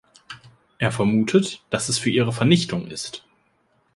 Er vermutet, dass es für ihre Vernichtung ist.